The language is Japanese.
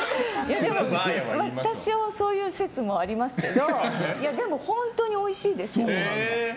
でもそういう説もありますけど本当においしいですね。